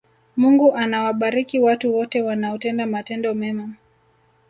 mungu anawabariki watu wote wanaotenda matendo mema